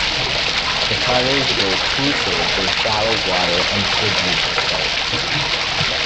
The cutters were crucial for shallow-water amphibious assaults.